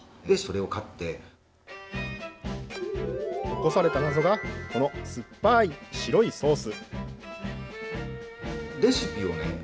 残された謎がこの酸っぱい白いソース。